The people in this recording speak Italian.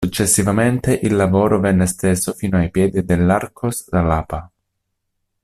Successivamente il lavoro venne esteso fino ai piedi dell'Arcos da Lapa.